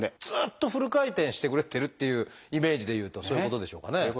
ずっとフル回転してくれてるっていうイメージでいうとそういうことでしょうかね。